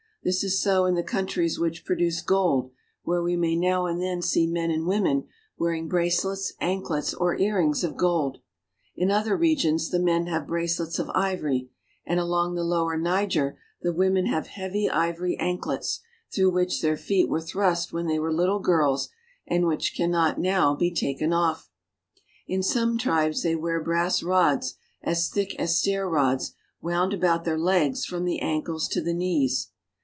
This is so in the countries which produce gold, where we may now and then see men and women wearing bracelets, ankiets, or earrings of gold. In other regions the men have bracelets of ivory, and along the lower Niger the women have heavy ivory anklets, through which their feet were thrust when they were little girls, and which can not now be taken off. In some tribes they wear brass rods, as thick as stair rods, wound about their legs from the ankles to the knees.